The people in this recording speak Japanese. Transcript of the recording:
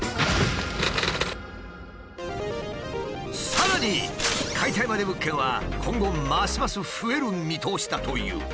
さらに解体まで物件は今後ますます増える見通しだという。